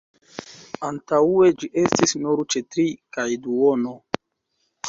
Antaŭe ĝi estis nur ĉe tri kaj duono.